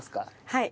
はい。